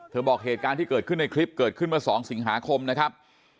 บอกเหตุการณ์ที่เกิดขึ้นในคลิปเกิดขึ้นเมื่อ๒สิงหาคมนะครับ